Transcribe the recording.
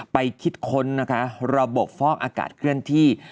คิดค้นนะคะระบบฟอกอากาศเคลื่อนที่